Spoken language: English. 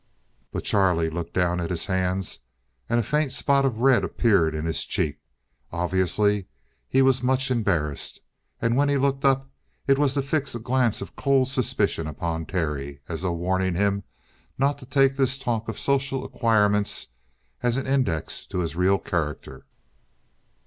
But Charlie looked down at his hands and a faint spot of red appeared in his cheek. Obviously he was much embarrassed. And when he looked up, it was to fix a glance of cold suspicion upon Terry, as though warning him not to take this talk of social acquirements as an index to his real character.